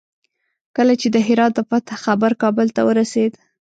کله چې د هرات د فتح خبر کابل ته ورسېد.